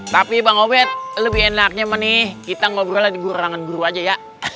tapi bang obed lebih enaknya mah nih kita ngobrol di gururangan guru aja ya